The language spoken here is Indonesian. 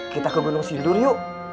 kita ke gunung sindur yuk